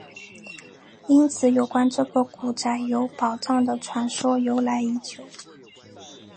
因此有关这个古宅有宝藏的传说由来已久。